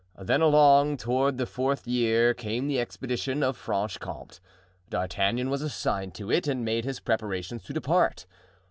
Then along toward the fourth year came the expedition of Franche Comte. D'Artagnan was assigned to it and made his preparations to depart.